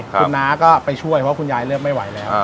คุณน้าก็ไปช่วยเพราะคุณยายเลือกไม่ไหวแล้ว